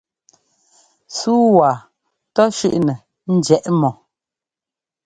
Súu waa tɔ́ shʉ́ʼnɛ njiɛʼ mɔ.